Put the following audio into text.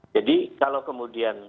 jadi kalau kemudian